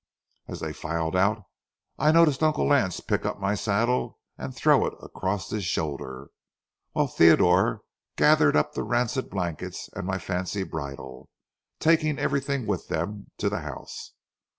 As they filed out, I noticed Uncle Lance pick up my saddle and throw it across his shoulder, while Theodore gathered up the rancid blankets and my fancy bridle, taking everything with them to the house.